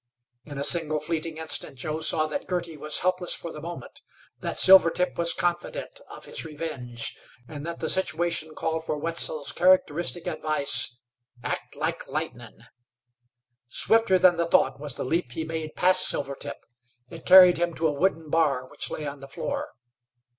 In a single fleeting instant Joe saw that Girty was helpless for the moment, that Silvertip was confident of his revenge, and that the situation called for Wetzel's characteristic advice, "act like lightnin'." Swifter than the thought was the leap he made past Silvertip. It carried him to a wooden bar which lay on the floor.